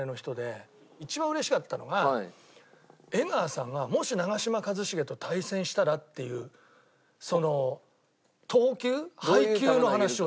一番うれしかったのが江川さんが「もし長嶋一茂と対戦したら」っていうその投球配球の話をしてくれたの。